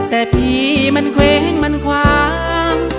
แต่ผีมันเขวงมันขวาง